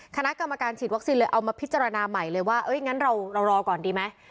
คณะกรรมการฉีดวัคซีนเลยเอามาพิจารณาใหม่เลยว่างั้นเรารอก่อนดีไหม